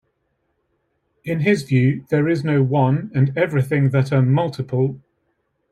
In his view, there is no "one," and everything that a "multiple.